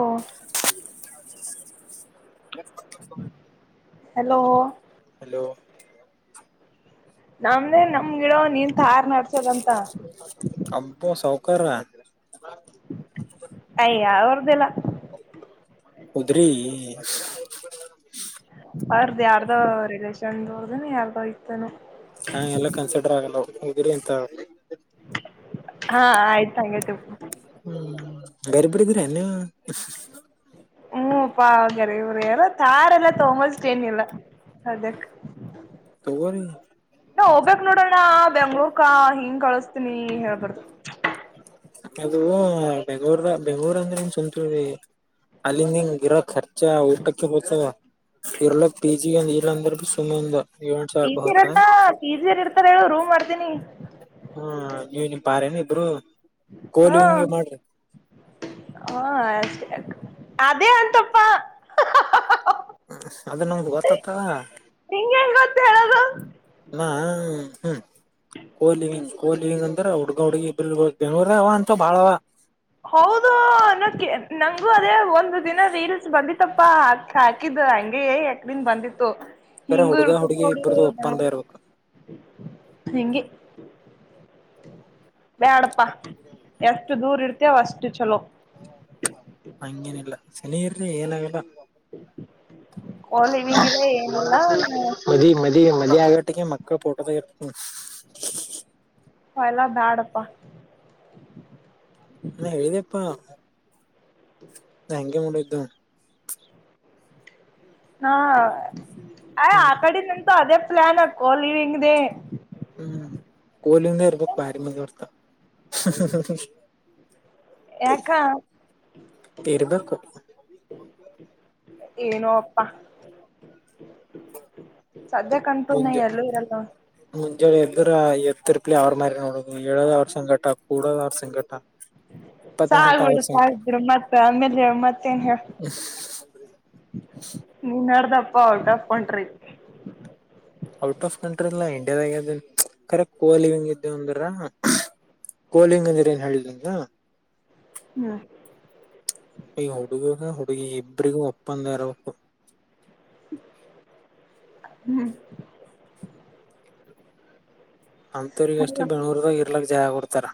ಓ hello hello ನಮ್ದೇ ನಮ್ ಗಿಡೋ ನಿಂತ ಹಾರ್ ನಡ್ಸೋದಂತ ಬ ಸೌಕರ ಅಯಾ ಅವರ್ದಲ್ಲ ಹದ್ರಿ ಅರ್ದ ಯಾರ್ದೋ ರಿಲೇಷನ್ದನ ಯಾರ್ದೋ ಇತನು ಹಾ ಎಲ್ಲ ಕನ್ಸಿಡರ್ ಆಗಲ್ಲ ಹೋಗಿರಿ ಎಂತ ಹಾ ಆಯ್ತು ಹಂಗತ್ ಗರಿಬಿಡಿದರನ್ನ ಹ್ಮ ಪಾ್ಯಾರೆ ಇವ್ರ ಯಾರ ತಾರೆ ಎಲ್ಲ ತೊಗೋಷ್ಟೇನಿಲ್ಲ ಅದಕ್ ತಗರಿ ಹೋಗ್ಬೇಕೇಕ್ ನೋಡೋಣ ಬೆಂಗ್ಳೂರ್ಕ ಹಿಂಗ್ ಕಳಸ್ತೀನಿ ಹೇಳ್ಬಾರ್ದು ಅದು ಬೆಂಗೂರ ಬೆಂಗೂರು ಅಂದ್ರೆ ಇನ್ ಸವಂತೂರು ಅಲ್ಲಿಂದಂಗ ಗಿರೋ ರ್ ಊಟಕ್ಕೆ ಹೋಗತಾವ ಇರ್ಲಕ್ ಪಿಜಿಂದ ಇರ್ಂದ್ರ ಬಿ ಸುಮ್ಮ್ ಒಂದ ಏಳ್ ಸಾವಿರ ಟಜಿ ರೂಪಾಯಿ ಹೊತ್ತ ಇತ್ತಾ ಟ ಜಿ ನ್ ಇರ್ತಾರ ಹೇಳು ರೂಮ್ ಮಾಡ್ತೀನಿ ಹ್ಮ ನೀವ ನಿಮ್ ಪಾರೇನ ಇಬ್ರು ಹ ಕೋಲಿವಿಂಗೆ ಮಾಡ್ರಿ ಹಷ್ಟ ಅದೇ ಅಂತಪ್ಪ ಅದ ನ ಬೋಗತತ ನಿಂಗ ಹೆಂಗ ಗೊತ್ತ ಹೇಳದು ಹ್ಮ್ ಕಹ್ಲಿ ಹ ಕಹ್ಲಿ ಹಂಗ ಅಂದ್ರ ಹುಡ್ಗ ಹುಡ್ಗಿ ಬಿಲ್ ಬೆಂಗಗಳೂರ ಅವ ಅಂತ ಭಾಳವ ಹೌದು ಅೋಕ ನಂಗು ಅದೇ ಒಂದು ದಿನ ರೀಲ್ಸ್ ಬಂದ ತ್ತಪ್ಪಾ ಹಾಕ್ ಹಾಕಿದ್ ಹಂಗಗೆ ಯಕ್ದನ್ ಬಂದಿತ್ತು ಕರ ಹಂಗ ಹುಡುಗ ಎತದ ಹುಡುಗಿ ಅವಳ ಇಬ್ರದು ಒಪ್ಪಂದ ಇರ್ಬೇಕು ಹಿಂಗಿ ಬ್ಯಾಡಪ್ಪಾ ಎಷ್ಟು ದೂರ ಇಡ್ತ ಅ ವ ಅಸ್ು ಚಲೋ ಹಂಗೇನಿಲ್ಲ ಸನರ್ರ ಏನಾಗಲ್ಲ ಲಿವಿಂಗಿಲ್ಲ ಏನಿಲ್ಲ ಬಿ ಮ ಅ ಮಳಿಯ ಆಗಟ್ಟಿಗೆ ಮಕ್ಕಳ ಪೋಟ್ಟದ ಇರ್ ಹ ಎಲ್ಲಾ ಬ್ಯಾಡಪ್ಪ ಅ ಹೇಳಿದಪ್ಪಾ ನ ಹೆಂಗಗೆ ಮೂಡಿದ್ದು ಹಾ ಅಯ್ ಹ್ಮ್ ಆ ಕಡೆ ನಿಂತು ಅದೇ ಪ್ಲಾನ್ ಹಾಕೋಲಿವ್ ಹಿಂಗ್ದ ಹ್ಮ್ ಕಲಿಿಂದ ಬ ಬಾರಿ ಮರ್ತ ಯಾಕಾ ಇರ್ಬೇಕು ಏನೋ ಅಪ್ಪ ಸದ್ಯ ಕಂಪುನ ಎಲ್ಲೂ ಇರಲ್ಲ ಎದುರು ಎ್ದರು ಪಲಲಿ ಅವ್ರ ಮ ನೋಡೋುದು ಎ ಹೇಳೋದ್ರ್ ಸಂಘಟ ಕೂಡೋದ ಅವರ್ ಸಂಕಟ ಸಾಗತ ಇದರು ಮತ್ತೆ ಆಮೇಲೆ ಹೇಳ ಮತ್ತೇನ್ ಹೇಳ ನಡ್ದಪ್ಪ out of country out of ಕಂಟ್ರಿಲ್ಲಾ ಇಂಡಿಯಾದಾಗ ಕರೆಕ್ಟ್ ಕೋಲಿ ಹಂಗ ಇದೇ ಅಂದರ ಕೋಲಿಂಗ ಅಂದಿ್ರ ಏನ್ ಹೇಳಿಲಿಂಗ ಹ್ಮ ಈ ಹುಡುಗ ಹುಡುಗಿ ಇಬ್ರಿಗೂ ಒಪ್ಪಂದ ಇರಬೇಕು ಹ್ಮ್ ಅಂತವ್ರಗ ಅಷ್ಟೇ ಬೆಂಗಳೂರ್ದಾಗ ಇರ್ಲಕ್ಕ ಜಯ ಕೊಡ್ತಾರ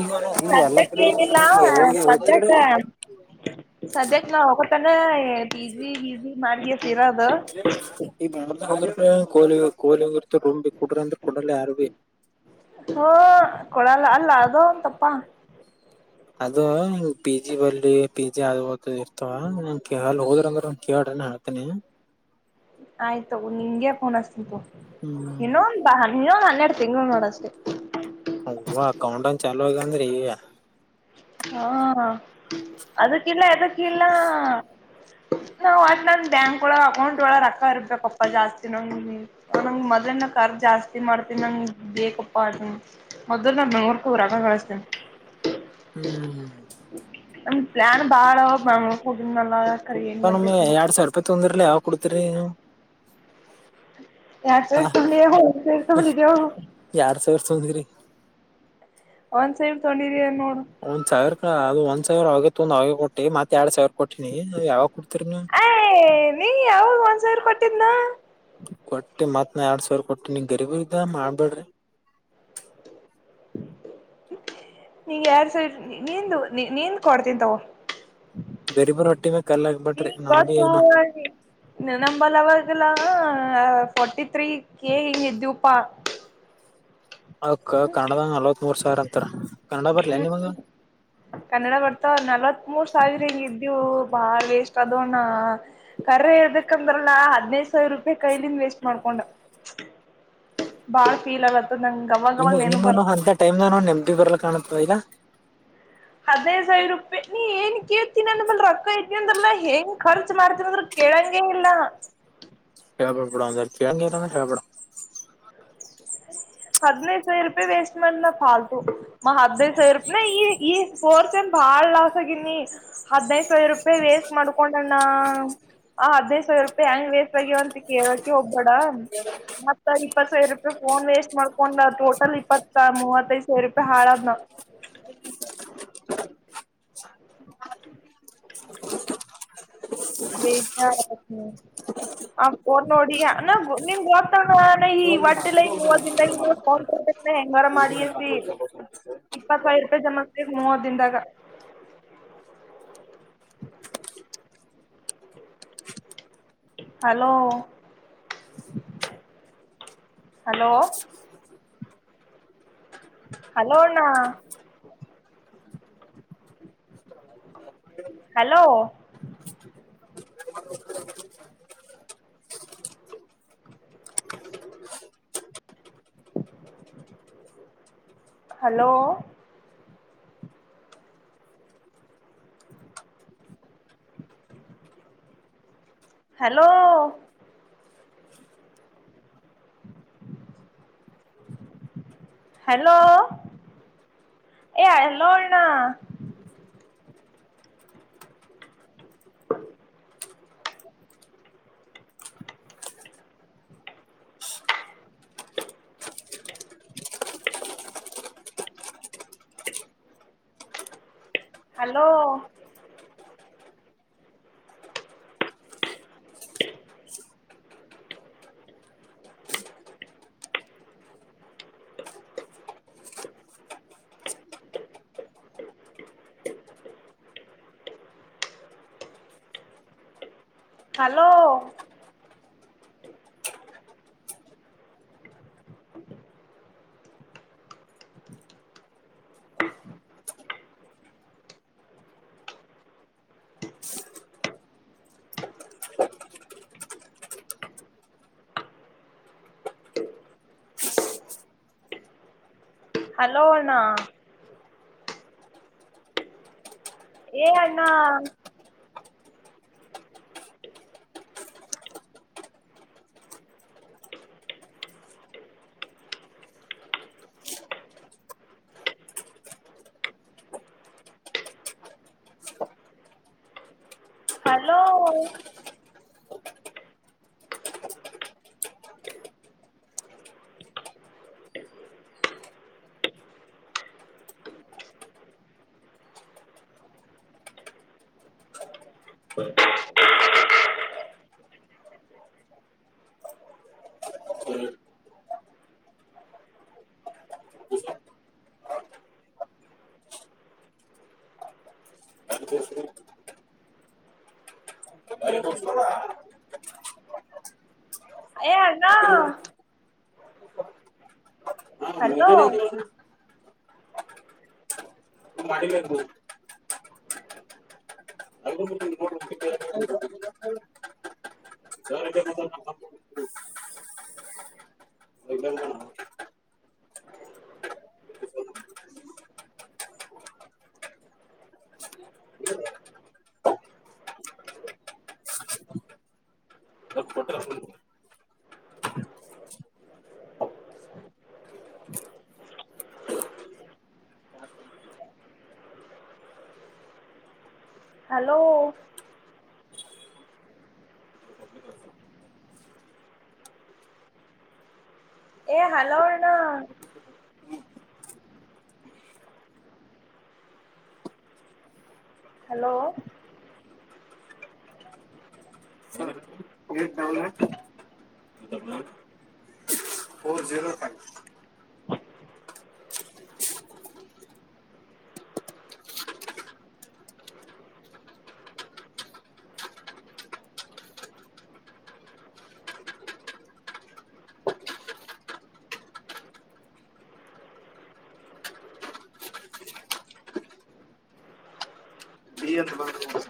ಈಗ ಈ ಎಲ್ಲಾ ಸದ್ಯಕ್ಕೆ ಕಡೆ ಏನಿಲ್ಲ ಹೋಗಿ ಓದ್ತಿಡ ಸದ್ಯಕ್ಕ ಸದ್ಯಕ್ ನಾವ ಅವಕತಾನ ಪಿ ಜಿ ಹ ಜಿ ಮಾಡಗತಿೀರದು ಈ ಮ ಹ ಕೋ ಕೋಲಿ ತಂಬಿ ಕುಡ್ರಂತ ಕುಡಲ್ಲ ಅಾರವೆ ಇಲ್ಲ ಅೋ ಒಂದು ತಪ್ಪಾ ಅದು ಹಂಗ ಪಿ ಜಿ ಬರ್ಲಿ ಪಿ ಜಿ ಆದದು ಇರ್ತವ ನ ಕಲ್ ಹೋದ್ರ ಅಂದ್ರ ಒ ಕೇಳ ಹಾತನಿ ಆಯ್ತು ನಿಂಗೆ ಫೋನ್ಸ್ತಿು ಹ್ಮ್ ಇನೊ ಬ ನೀ ಎಡು ತಿಂಗಳು ನೋಡಷ್ಟೆ ಹವಾ ಕೌಂಟ್ನ್ ಚಾಲೂ ಆಗಂದ್ರಿ್ಯ ಹಾ ಅದಕ್ಕಲ್ಲ ಎದಕ್ಕ ಇಲ್ಲ ನಾವ್ ಅಟ್ ನಂದ ಬ್ಯಾಂಕ್ ಒಳ ಅಕೌಂಟ್ ಒಳ ರೊಕ್ಕ ಇರ್ಬೇಕಪ್ಪಾ ಜಾಸ್ತಿ ನಂಗ ನಂಗ್ ಮೊ್ನ ಕರ್ ಜಾಸ್ತಿ ಮಾಡ್ತೀನ ನಂಗ ಬೇಕಪ್ಪ ಅ ಮೊದ್ ನಾ ಬೆಂಗ್ೂರ್ಕ ಹರಕ ಕಳಿಸಸ್ತೇನಿ ಹ ಹ್ಮ್ ಅಂದ ಪ್ಲಾನ ಬಾಳಾವ ಬಾ ಕೂಡ ನಲ್ಲ ಹೊಮ್ಮ್ ಎರಡ್ ಸಾವಿರ ರೂಪಾಯಿ ತೊಂದರ್ಲಲ್ಲ ಯಾವ್ ಕೊಡ್ತಿರಿ ನೀವು ಯಾತ್ರಿ ಹ ಎತೇರ್ತಡಿಕೋಗು ಎರಡ್ ಸಾವಿರ ತೊಂದ್ರಿ ತಿ ಒಂದ್ ಸಾವಿರ ಅದು ಒಂದ್ ಸಿರ ಆ ಅವಗ ಒಂದ ಅವ ಕೊಟ್ಟ ಮತ್ತೆ ಎರಡ್ ಸಾವಿರ ಕೊಟ್ಟಿನ ನ ಯಾವಾಗ ಕೊಡ್ತರಿ ನೀ ಅಯ್ ನೀ ಯಾವಾಗ ಒಂದ್ ಸಾವಿರ ಕೊಟ್ಟಿದ್ನಾ ಕೊಟ್ಟಿ ಮತ್ನ ಎರಡ್ ಸಾವಿರ ಕೊಟ್ಟಿ ನೀ ಗರಿಬು ಇದ ಮಾಡ್ಬೇಡ್ರಿ ನೀಗ ಯಾರ್ ಸ ನೀಂದು ನೀಂದ ಕೊಡ್ತಂತಾವ ಗರಿಬ ರೋಟಿ ಮ ಕಲ್ಲ ಬಟ ನಾ ಭ ನಂಬ ಲವಕಲ್ಲ ಫೋಾರ್ಟಿ ತ್ರತ್ರೀ ಕೆ ಇ ದಪಾ ಅಕ್ಕ ಕನ್ನಡದ ನಲ್ವತ್ ಮೂರ್ ಸಾವಿರ ಅಂತರ ಹ್ಮ್ ಕನ್ನಡ ಬರ್ತಾವ ನಲ್ವತ್ ಮೂರ್ ಸಾವಿರಿ ಇದೆವು ಬಾಳ ವೇಸ್ಟ್ ಅದಣ್ಣ ಕರ್ರ ಇರ್ದಕ್ಂದ್ರಲ್ಲಾ ಹದ್ೈದ್ ಸಾವಿರ ರೂಪಾಯಿ ಕೈಲಿಂದ ವೇಸ್ಟ್ ಮಾಡ್ಕೊಂಡ ಬಾಳ ೀಲ್ ಆವತ್ತ ನಿ ನಿಮ್ಮನ್ನು ಅಂತ ಟೈಮ್ಾನ ನೆಮಪಿ ಬರ್ಲ ಕಾಣುತ್ತ ಈದಾ ಹದೈ ಸಾವಿರ ರೂಪಾಯಿ ನೀ ಏನ್ ಕೇಳ್ತೀನ ಅಂದ ಮಲ್ ರೊಕ್ಕ ಐತಿ ಅಂದ್ರಲ್ಲಾ ಹೆಂಗ್ ಖರ್ಚು ಮಾಡ್ತೀನ ಅಂದ್ರ ಕೆಳಂಗೆ ಇಲ್ಲ ಸಪಡ ಸರ್ ಕಳಗೆಲ್ಲ ಸೇಪಡ ಹದ್ೈದು ಸಾವಿರ ರೂಪಾಯಿ ವೇಸ್ಟ್ ಮಾಡ್ ನ ಫಾಲ್ತು ಮ ಹದ್ಿನೈದು ಸಾವಿರ ರೂಪಾಯಿ ನಾ ಈ ಫೋರ್ ಬಾಳ್ ಲಾಸ್ ಆಗಿನಿ ಹದ್ನೈದು ಸಾವಿರ ರೂಪಾಯಿ ವೇಸ್ಟ್ ಮಾಡ್ಕೊಂಡಣ್ಣ ಆ ಅದ್ೇ ಸಾವ ರೂಪಾಯಿ ಹೆಂಗ್ ವೇಷವಾಗಿಾಗವಂತ ಕೇಳಕೆ ಒಬ್ಬೇಡ ಮತ್ತ ಇಪ್ಪತ್ ಸಾವಿರ ರೂಪಾಯಿ ಫೋನ್ ವೇಷ್ಟು ಮಾಡ್ಕೊಂಡ ಟೋಟಲ್ ಇಪ್ಪತ್ತ ಮೂವತ್ತೈದ್ ಸಾವಿರ ರೂಪಾಯಿ ಹಾಳದ್ನ [unintelligible] ಬೇತ ಹ ಕೋ ನೋಡಿ ನ ನಿಮ ಹೋಗ್ತಾ ಈ ಒಟ್ಟಲ್ಲವ ದ ಮರ ಮಾಡಿಯಸ ಇಪ್ಪತ್ತಾವ ರೂಪಾಯಿ ಜಮ ಮೂವ ದಿಂದಾಗ ಹಲೋ ಹಲೋ ಹಲೋ ಅಣ್ಣ ಹಲೋ ಹಲೋ ಹಲೋ ಹಲೋ ಏಲ್ಲ್ಣ ಹಲೋ [inaudible] ಹಲೋ ಹಲೋ ಅಣ ಏ ಅಣ್ಣ ಹಲೋ ಅರಿ ಬ ಏ ಅಲ್ಲ ಹಾ ಹಲೋ ಮದನ ಮಾಡ ಅ [unintelligible] ಹಲೋ ಏ ಹಲೋ ಅಣ್ಣ ಹಲೋ [unintelligible] ಡಿ ಅಂತ ಬಂದು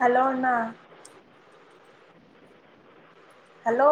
ಹಲೋ ಅಣ್ಣ ಹಲೋ